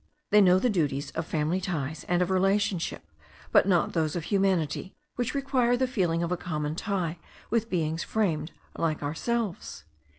They know the duties of family ties and of relationship, but not those of humanity, which require the feeling of a common tie with beings framed like ourselves.